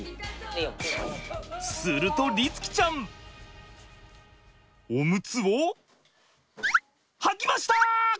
すると律貴ちゃんオムツをはきました！